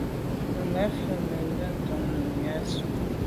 Nùgà fə̀ mfá bɔ̀ mə̀mbâ ntɔ́n Nùmí á sʉ́ á’.